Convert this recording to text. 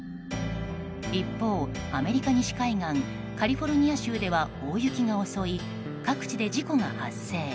一方、アメリカ西海岸カリフォルニア州では大雪が襲い、各地で事故が発生。